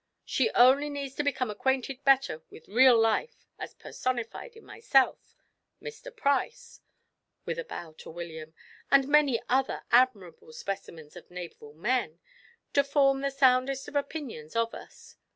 She only needs to become acquainted better with real life, as personified in myself, Mr. Price" (with a bow to William) "and many other admirable specimens of naval men, to form the soundest of opinions of us.